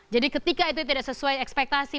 jadi ketika itu tidak sesuai ekspektasi